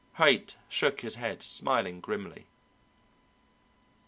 Haight shook his head, smiling grimly.